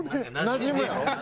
なじむやろ？